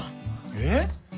えっ？